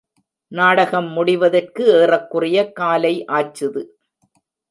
நாடகம் முடிவதற்கு ஏறக்குறைய காலை ஆச்சுது.